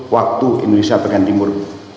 waktu indonesia pegang timur